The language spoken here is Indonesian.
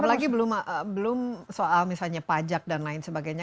apalagi belum soal misalnya pajak dan lain sebagainya